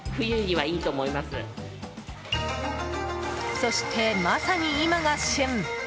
そして、まさに今が旬！